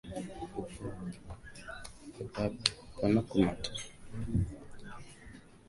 Michezo ni ya aina nyingi ikiwemo michezo ya juu angani